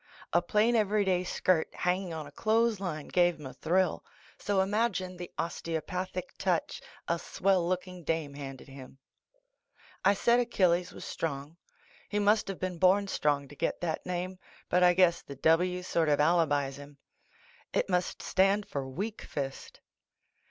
A plain every day skirt hanging on a clothes line gave him a thrill, so imagine the osteopatliic touch a swell looking dame handed him. I said Achilles was strong. He must of been born strong to get that name, but I guess the "^\." sort of alibis him. It must stand for Weakfist.